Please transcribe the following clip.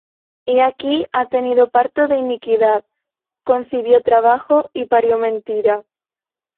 He aquí ha tenido parto de iniquidad: Concibió trabajo, y parió mentira.